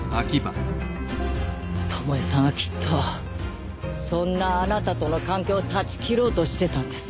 友恵さんはきっとそんなあなたとの関係を絶ちきろうとしてたんです。